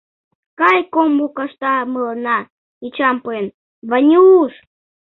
Кайыккомбо кашта мыланна йочам пуэн, Ванюш!